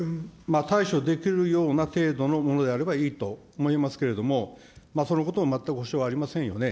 対処できるような程度のものであればいいと思いますけれども、そのことは全くほしょうありませんよね。